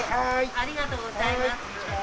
ありがとうございます。